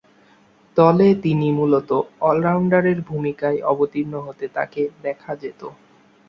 দলে তিনি মূলতঃ অল-রাউন্ডারের ভূমিকায় অবতীর্ণ হতে তাকে দেখা যেতো।